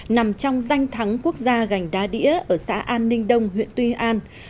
nằm trong danh thắng quốc gia gành đá đĩa ở xã an ninh đông huyện tuy an